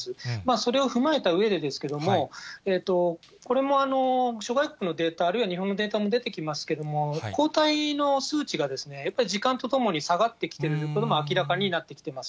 それを踏まえたうえでですけれども、これも諸外国のデータ、あるいは日本のデータにも出てきますけれども、抗体の数値がやっぱり時間とともに下がってきていることも明らかになってきています。